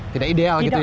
tidak ideal gitu ya